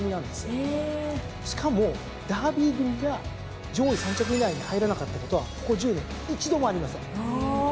しかもダービー組が上位３着以内に入らなかったことはここ１０年一度もありません。